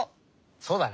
そうだね。